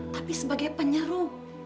tapi sebagai penyeru